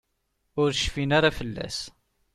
Ur cfin ara fell-as.